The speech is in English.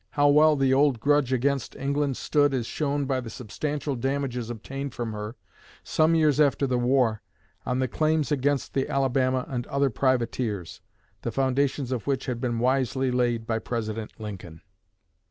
How well "the old grudge against England" stood is shown by the substantial damages obtained from her, some years after the war, on the claims against the Alabama and other privateers, the foundations of which had been wisely laid by President Lincoln.